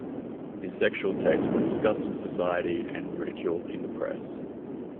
His sexual tastes were discussed in society and ridiculed in the press.